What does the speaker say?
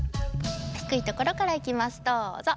低いところからいきますどうぞ。